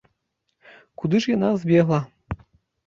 Куды ж яна збегла?